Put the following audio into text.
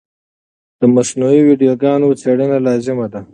د مصنوعي ویډیوګانو څېړنه لازمي ده.